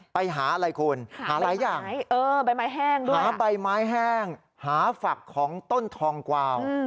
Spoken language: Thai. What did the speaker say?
ไปหาอะไรคุณหาหลายอย่างหาใบไม้แห้งหาฝักของต้นทองกวาว